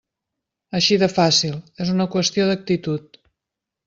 Així de fàcil, és una qüestió d'actitud.